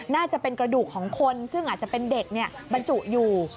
น่าจะเป็นกระดูกของคนซึ่งอาจจะเป็นเด็กบรรจุอยู่